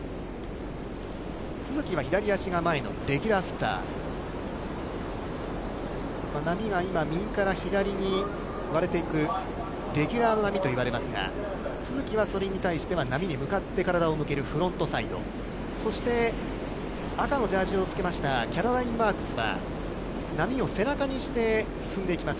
都筑は左足が前のレギュラーフッター、波が今、右から左に割れていく、レギュラーの波といわれますが、都筑はそれに対しては波に向かって体を向けるフロントサイド、そして赤のジャージをつけましたキャロライン・マークスは、波を背中にして進んでいきます。